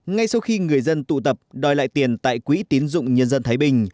ngay sau khi người dân tụ tập đòi lại tiền tại quỹ tín dụng nhân dân thái bình